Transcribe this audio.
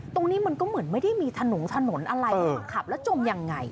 ตรงนี้มันก็เหมือนไม่ได้มีถนนถนนอะไรมาขับแล้วจมยังไง